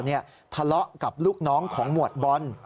ทะเลาะกับลูกน้องของหมวดบอล